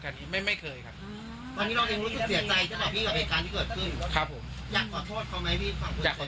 ครับลองไปทุบเอ่อถุบรถมีทางนู้นนะครับ